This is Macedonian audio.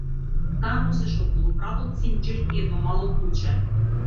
Таа носеше околу вратот синџир и едно мало клуче.